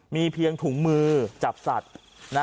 มีเพียงถุงมือจับสัตว์